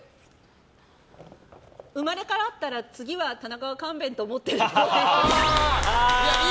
生まれ変わったら次は田中は勘弁と思ってるっぽい。